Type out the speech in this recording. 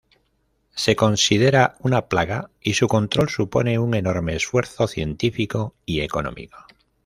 Se considera una plaga y su control supone un enorme esfuerzo científico y económico.